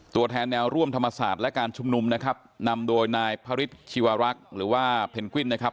ตัวแทนแนวร่วมธรรมศาสตร์และการชุมนุมนะครับนำโดยนายพระฤทธิวรักษ์หรือว่าเพนกวิ้นนะครับ